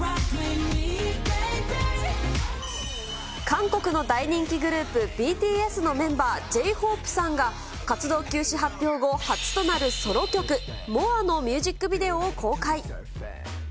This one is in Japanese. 韓国の大人気グループ、ＢＴＳのメンバー、ＪーＨＯＰＥさんが、活動休止発表後、初となるソロ曲、ＭＯＲＥのミュージックビデオを公開。